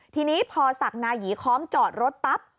ทีนี้พอศักดิ์นายีค้อมจอดรถปั๊บ